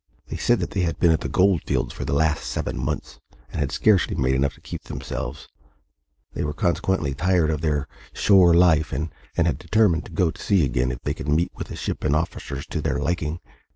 They said that they had been at the gold fields for the last seven months, and had scarcely made enough to keep themselves; they were consequently tired of their shore life, and had determined to go to sea again if they could meet with a ship and officers to their liking.